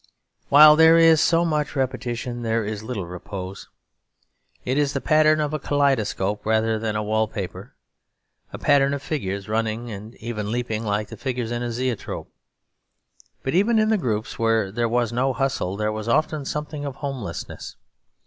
While there is so much repetition there is little repose. It is the pattern of a kaleidoscope rather than a wall paper; a pattern of figures running and even leaping like the figures in a zoetrope. But even in the groups where there was no hustle there was often something of homelessness.